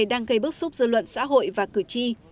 đang gây bức xúc dư luận xã hội và cử tri